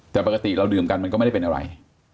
แต่ปกติเราดื่มกันมันก็ไม่ได้เป็นอะไร